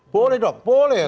boleh dok boleh